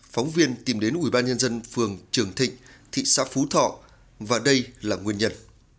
phóng viên tìm đến ủy ban nhân dân phường trường thịnh thị xã phú thọ và đây là nguyên nhân